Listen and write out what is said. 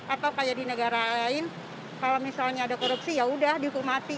atau kayak di negara lain kalau misalnya ada korupsi yaudah dihukum mati